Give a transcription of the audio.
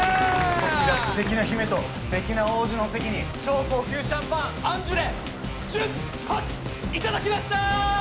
こちら素敵な姫と素敵な王子のお席に超高級シャンパンアンジュレ１０発いただきました！